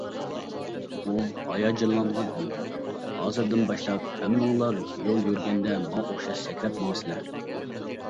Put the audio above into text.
ئۇ ھاياجانلانغان ھالدا: ھازىردىن باشلاپ، ھەممىڭلار يول يۈرگەندە ماڭا ئوخشاش سەكرەپ ماڭىسىلەر!